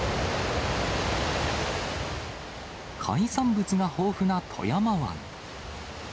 海産物が豊富な富山湾。